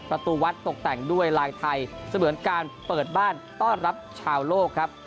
ประตูวัดตกแต่งด้วยลายไทยเสมือนการเปิดบ้านต้อนรับชาวโลกครับ